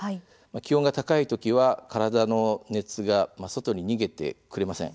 気温が高い時は体の熱が外に逃げてくれません。